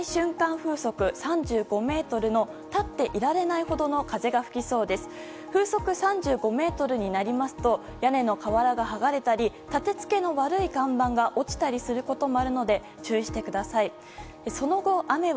風速３５メートルになりますと屋根の瓦が剥がれたり立て付けの悪い看板が落ちたりすることもあるので注意してください。